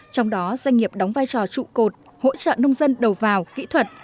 trong đó doanh nghiệp đóng vai trò trụ cột hỗ trợ nông dân đầu vào kỹ thuật